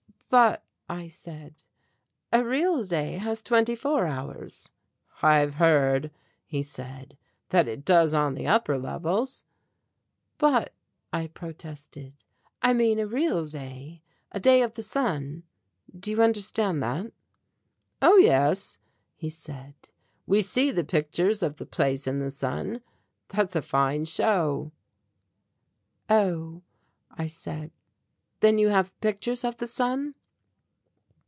"But," I said, "a real day has twenty four hours." "I've heard," he said, "that it does on the upper levels." "But," I protested, "I mean a real day a day of the sun. Do you understand that?" "Oh yes," he said, "we see the pictures of the Place in the Sun. That's a fine show." "Oh," I said, "then you have pictures of the sun?"